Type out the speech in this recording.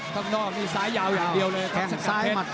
ตรงนอกนี่ซ้ายยาวอย่างเดียวเลยครับสกัดเพชร